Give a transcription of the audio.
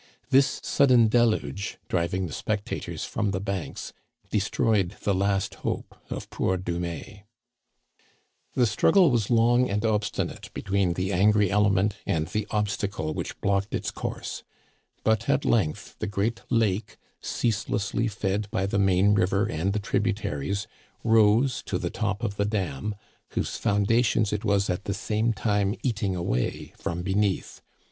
This sudden deluge, driving the spectators from the banks, destroyed the last hope of poor Dumais. The struggle was long and obstinate between the angry element and the obstacle which barred its course ; but at length the great lake, ceaselessly fed by the main river and the tributaries, rose to the top of the dam, whose foundations it was at the same time eating away from beneath.